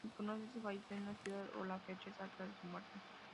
Se desconoce si falleció en esta ciudad o la fecha exacta de su muerte.